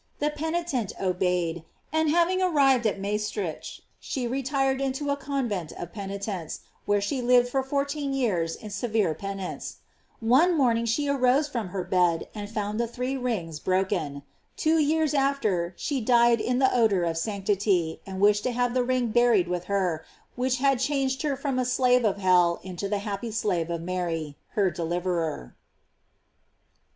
The pen itent obeyed, and having arrived at Maestricht, she retired into a convent of penitents, where she lived for fourteen years in severe penance. 320 GLORIES OF MARY, One morning she arose from her bed and found the three rings broken. Two years after she died in the odor of sanctity, and wished to have the ring buried with her, which had changed her from a slave of hell into the happy slave of Mary, her deliverer.